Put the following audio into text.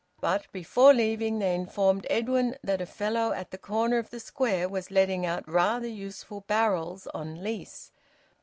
But before leaving they informed Edwin that a fellow at the corner of the Square was letting out rather useful barrels on lease.